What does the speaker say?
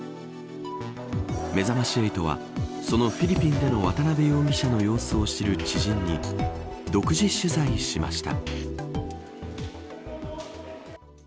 めざまし８はそのフィリピンでの渡辺容疑者の様子を知る知人に独自取材しました。